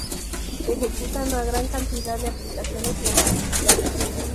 Ejecuta una gran cantidad de aplicaciones con facilidad.